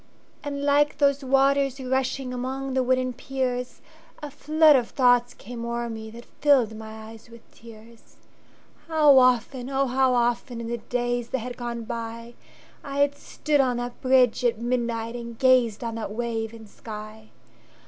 And like those waters rushingAmong the wooden piers,A flood of thoughts came o'er meThat filled my eyes with tears. How often, oh how often, In the days that had gone by,I had stood on that bridge at midnightAnd gazed on that wave and sky!